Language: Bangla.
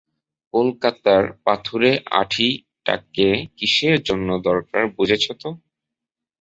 কলকাতার পাথুরে আঁঠিটাকে কিসের জন্য দরকার বুঝেছ তো?